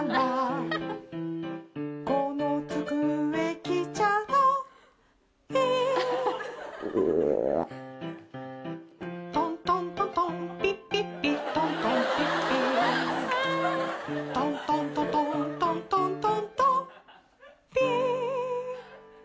「この机きちゃない」「トントントトンピッピッピ」「トントンピッピ」「トントントトントントントントンピ」